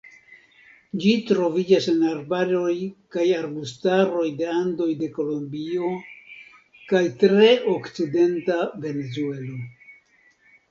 Ĝi troviĝas en arbaroj kaj arbustaroj de Andoj de Kolombio kaj tre okcidenta Venezuelo.